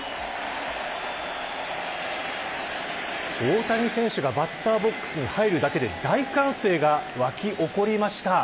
大谷選手がバッターボックスに入るだけで大歓声が沸き起こりました。